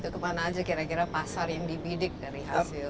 kemana aja kira kira pasar yang dibidik dari hasil